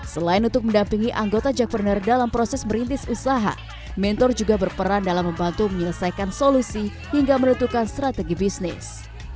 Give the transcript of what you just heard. selain untuk mendampingi anggota jackpreneur dalam proses merintis usaha mentor juga berperan dalam membantu menyelesaikan solusi hingga menentukan strategi bisnis